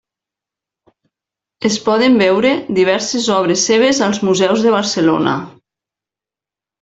Es poden veure diverses obres seves als museus de Barcelona.